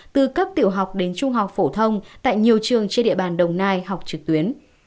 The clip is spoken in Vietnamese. từ cấp tiểu học đến trung học phổ thông tại nhiều trường trên địa bàn đồng nai học trực tuyến